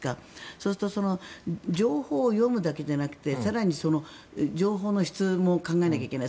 そうすると情報を読むだけじゃなくて更に情報の質も考えなきゃいけない。